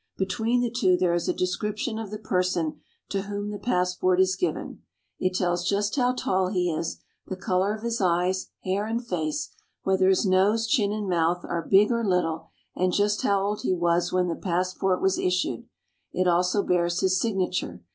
Between the two there is a description of the person to whom the passport is given. It tells just how tall he is, the color of his eyes, hair, and face, whether his nose, chin, and mouth are big or little, and just how old he was when the passport was issued. It also bears his signature.